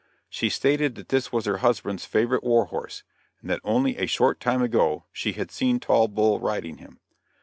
She stated that this was her husband's favorite war horse, and that only a short time ago she had seen Tall Bull riding him.